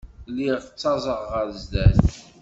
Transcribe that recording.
Lliɣ ttaẓeɣ ɣer sdat.